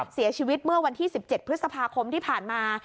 เสียชีวิตเมื่อวันที่๑๗พฤษภาคมที่ผ่านมา